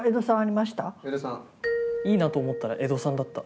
いいなと思ったら江戸さんだった。